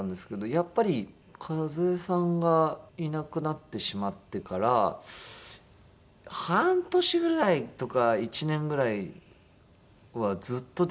やっぱり和枝さんがいなくなってしまってから半年ぐらいとか１年ぐらいはずっと電話ありましたかね